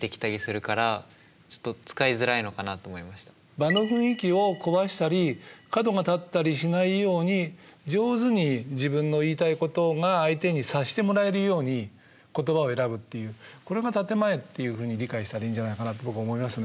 場の雰囲気を壊したり角が立ったりしないように上手に自分の言いたいことが相手に察してもらえるように言葉を選ぶっていうこれが建て前っていうふうに理解したらいいんじゃないかなって僕は思いますね。